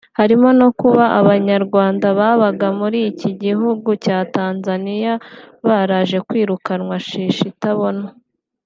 harimo no kuba abanyarwanda babaga muri iki gihugu cya Tanzania baraje kwirukanwa shishi itabona